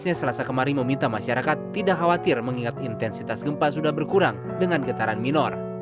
yang selasa kemarin meminta masyarakat tidak khawatir mengingat intensitas gempa sudah berkurang dengan getaran minor